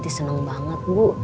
dia senang banget bu